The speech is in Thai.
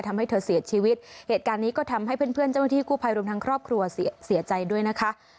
ทำให้เธอเสียชีวิตเหตุการณ์นี้ก็ทำให้เพื่อนเพื่อนเจ้าหน้าที่กู้ภัยรวมทั้งครอบครัวเสียใจด้วยนะคะ